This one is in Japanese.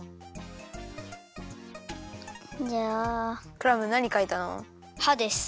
クラムなにかいたの？はです。